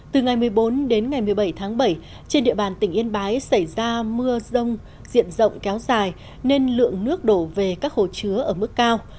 từ ngày một mươi bốn đến ngày một mươi bảy tháng bảy trên địa bàn tỉnh yên bái xảy ra mưa rông diện rộng kéo dài nên lượng nước đổ về các hồ chứa ở mức cao